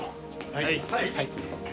はい。